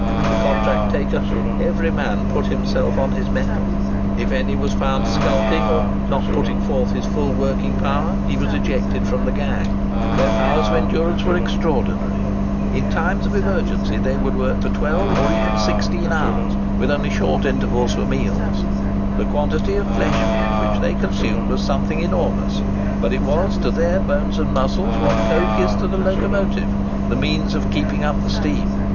The contract taken, every man put himself on his mettle; if any was found skulking, or not putting forth his full working power, he was ejected from the gang. Their powers of endurance were extraordinary. In times of emergency they would work for 12 and even 16 hours, with only short intervals for meals. The quantity of flesh meat which they consumed was something enormous; but it was to their bones and muscles what coke is to the locomotive—the means of keeping up the steam.